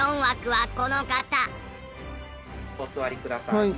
お座りください。